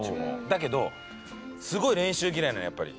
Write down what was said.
だけどすごい練習嫌いなのやっぱり。